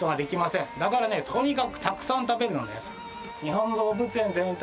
だからねとにかくたくさん食べるのね。